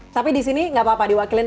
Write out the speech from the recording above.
tapi disini gak apa apa diwakilin sama